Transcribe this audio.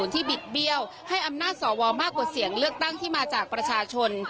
บิดเบี้ยวให้อำนาจสวมากกว่าเสียงเลือกตั้งที่มาจากประชาชน